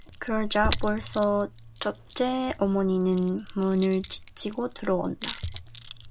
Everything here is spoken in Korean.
그러자 벌써 첫째 어머니는 문을 지치고 들어온다.